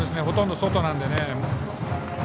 ほとんど外なのでね。